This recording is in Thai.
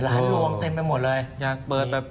ลวงเต็มไปหมดเลยอยากเปิดแบบ